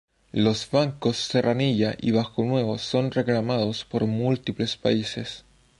Los bancos Serranilla y Bajo Nuevo son reclamados por múltiples países.